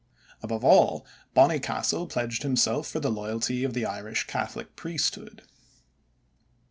Above all Bonnycastle pledged himself for the loyalty of the Irish Catholic priesthood.